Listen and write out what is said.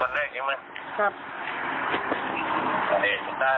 คนแรกยิบไหม